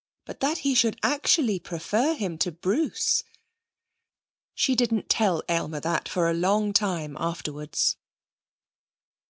But that he should actually prefer him to Bruce! She didn't tell Aylmer that for a long time afterwards.